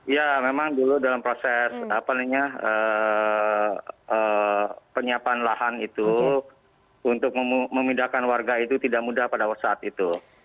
ya memang dulu dalam proses penyiapan lahan itu untuk memindahkan warga itu tidak mudah pada saat itu